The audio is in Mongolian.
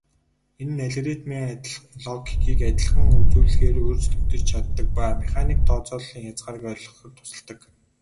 Энэ нь алгоритмын логикийг адилхан үзүүлэхээр өөрчлөгдөж чаддаг ба механик тооцооллын хязгаарыг ойлгоход тусалдаг.